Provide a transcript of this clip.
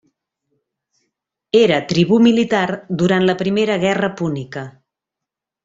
Era tribú militar durant la Primera Guerra Púnica.